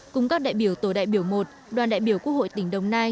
cùng các đại biểu tổ đại biểu một đoàn đại biểu quốc hội tỉnh đồng nai